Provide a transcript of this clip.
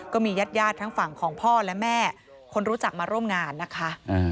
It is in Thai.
ก็มีญาติทั้งฝั่งของพ่อและแม่คนรู้จักมาร่วมงานนะคะ